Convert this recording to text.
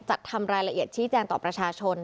จัดทำรายละเอียดชี้แจงต่อประชาชน